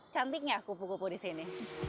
cantiknya pupu pupu di sini